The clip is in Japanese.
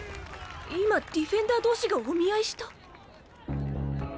今ディフェンダー同士がお見合いした？